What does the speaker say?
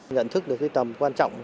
nhận thức được tầm quan trọng